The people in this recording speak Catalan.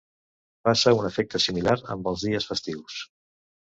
Passa un efecte similar amb els dies festius.